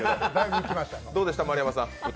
どうでした、丸山さん。